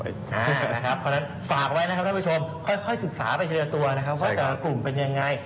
ฝากไว้นะครับท่านผู้ชมค่อยศึกษาไปเฉยตัวว่าตัวกลุ่มเป็นยังไง